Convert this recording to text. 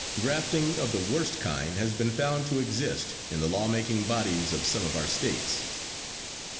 Grafting of the worst kind has been found to exist in the law making bodies of some of our states.